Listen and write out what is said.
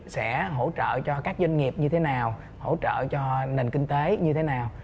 sẽ hỗ trợ cho các doanh nghiệp như thế nào hỗ trợ cho nền kinh tế như thế nào